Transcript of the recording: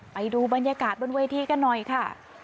ไปดูบรรยากาศบนเวทีกันหน่อยค่ะ